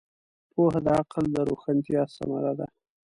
پوهه د عقل د روښانتیا ثمره ده.